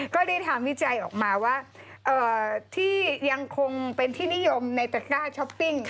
ก็ได้ทำวิจัยออกมาว่าที่ยังคงเป็นที่นิยมในตระก้าช้อปปิ้ง